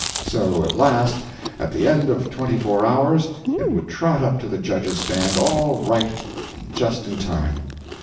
So at last, at the end of twenty four hours, it would trot up to the judges' stand all right and just in time.